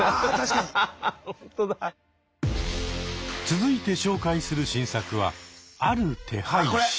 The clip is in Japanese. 続いて紹介する新作は「ある手配師」。